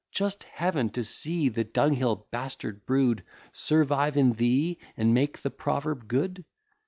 Just Heaven! to see the dunghill bastard brood Survive in thee, and make the proverb good?